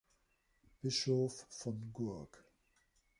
Bischof von Gurk.